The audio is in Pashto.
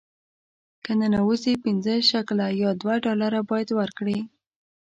که ننوځې پنځه شکله یا دوه ډالره باید ورکړې.